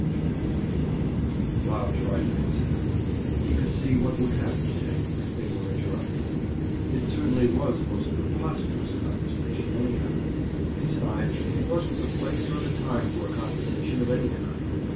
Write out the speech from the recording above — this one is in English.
Tranquilly. Bob tried to consider. He could see what would happen to him, if they were interrupted. It certainly was a most preposterous conversation, anyhow. Besides, it wasn't the place or the time for a conversation of any kind.